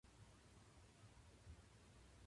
うおっ。